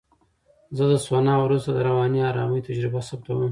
زه د سونا وروسته د رواني آرامۍ تجربه ثبتوم.